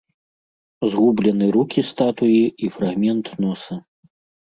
Згублены рукі статуі і фрагмент носа.